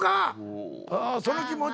おおその気持ち。